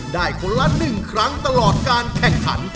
คนละ๑ครั้งตลอดการแข่งขัน